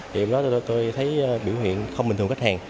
thì lúc đó tôi thấy biểu hiện không bình thường khách hàng